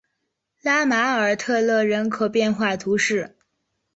拉马尔特勒人口变化图示